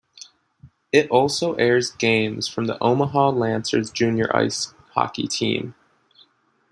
It also airs games from the Omaha Lancers junior ice hockey team.